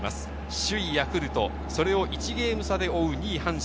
首位・ヤクルト、それを１ゲーム差で追う２位・阪神。